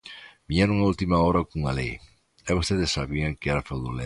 Viñeron a última hora cunha lei, e vostedes sabían que era fraudulento.